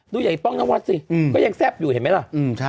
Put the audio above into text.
ใหญ่ป้องนวัดสิก็ยังแซ่บอยู่เห็นไหมล่ะ